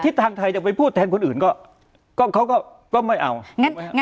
คิดทางไทยจะไปพูดแทนคนอื่นก็ไม่เอา